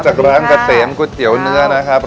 จากร้านเกษมก๋วยเตี๋ยวเนื้อนะครับ